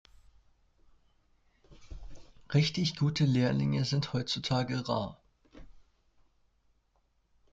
Richtig gute Lehrlinge sind heutzutage rar.